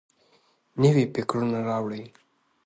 نوي فکرونه راوړئ.